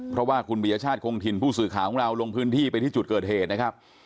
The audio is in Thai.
เพราะว่าคุณปียชาติคงถิ่นผู้สื่อข่าวของเราลงพื้นที่ไปที่จุดเกิดเหตุนะครับ